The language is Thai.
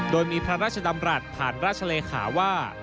โดยมีพระราชดำรัฐผ่านราชเลขาว่า